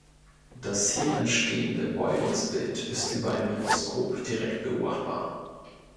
Das hier entstehende Beugungsbild ist über ein Mikroskop direkt beobachtbar.